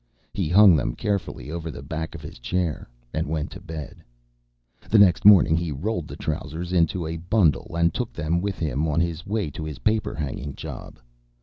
He hung them carefully over the back of his chair, and went to bed. The next morning he rolled the trousers in a bundle and took them with him on his way to his paper hanging job.